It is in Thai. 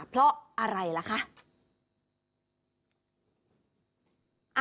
เพราะอะไรล่ะคะ